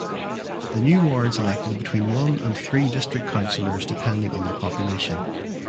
The new wards elected between one and three district councillors depending on their population.